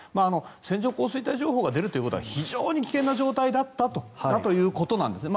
線状降水帯情報が出るということは非常に危険な状態だったということなんですね。